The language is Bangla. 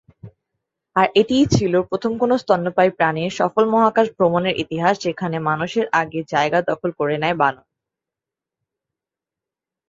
আর এটিই ছিলো প্রথম কোন স্তন্যপায়ী প্রাণীর সফল মহাকাশ ভ্রমনের ইতিহাস, যেখানে মানুষের আগে যায়গা দখল করে নেয় বানর।